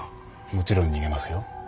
もちろん逃げますよ。